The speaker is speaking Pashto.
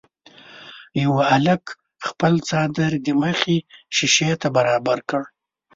یوه هلک خپل څادر د مخې شيشې ته برابر کړ.